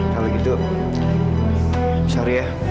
kalau gitu sorry ya